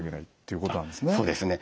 そうですね。